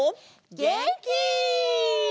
げんき！